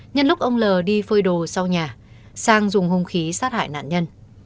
nhân lúc ông l đi phơi đồ sau nhà sang dùng hung khí sát hại nạn nhân